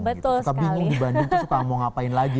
suka bingung di bandung tuh suka mau ngapain lagi